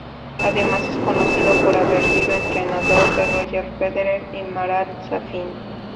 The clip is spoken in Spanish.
Además es conocido por haber sido entrenador de Roger Federer y Marat Safin.